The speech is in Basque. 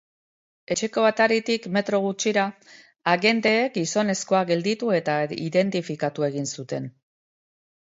Etxeko ataritik metro gutxira, agenteek gizonezkoa gelditu eta identifikatu egin zuten.